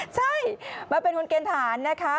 ใช่มาเป็นคนเกณฑหารนะคะ